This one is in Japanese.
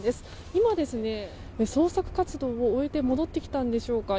今、捜索活動を終えて戻ってきたのでしょうか